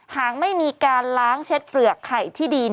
หากไม่มีการล้างเช็ดเปลือกไข่ที่ดี